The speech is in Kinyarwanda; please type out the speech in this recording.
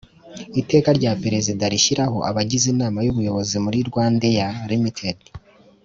Iteka rya Perezida rishyiraho abagize Inama y Ubuyobozi muri Rwandair Ltd